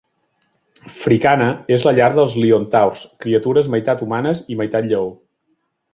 Fricana és la llar dels liontaurs, criatures meitat humanes i meitat lleó.